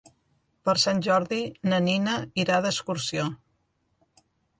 Per Sant Jordi na Nina irà d'excursió.